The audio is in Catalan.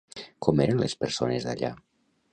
Com eren les persones d'allà?